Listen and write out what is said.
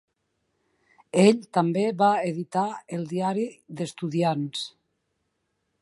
Ell també va editar el diari d"estudiants.